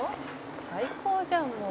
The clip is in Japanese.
「最高じゃんもう」